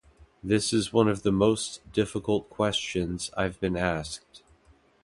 This is one of the most difficult questions I’ve been asked.